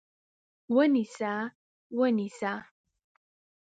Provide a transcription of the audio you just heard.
ونیسه! ونیسه!